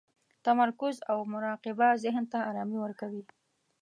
تمرکز او مراقبه ذهن ته ارامي ورکوي.